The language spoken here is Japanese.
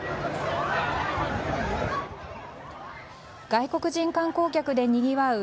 外国人観光客でにぎわう